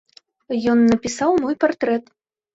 Ён напісаў мой партрэт.